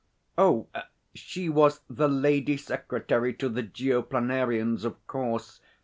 Oh, she was the Lady Secretary to the Geoplanarians, of course.